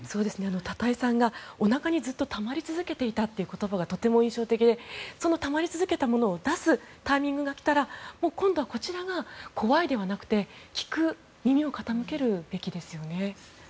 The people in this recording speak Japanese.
多田井さんがおなかにずっとたまり続けていたという言葉がとても印象的でそのたまり続けたものを出すタイミングが来たら今度はこちらが、怖いではなくて聞く耳を傾けるべきですよね。